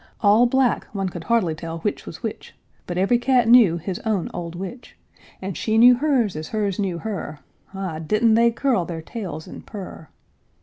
All black, one could hardly tell which was which, But every cat knew his own old witch; And she knew hers as hers knew her, Ah, didn't they curl their tails and purr!